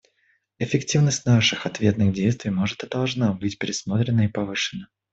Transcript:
Эффективность наших ответных действий может и должна быть пересмотрена и повышена.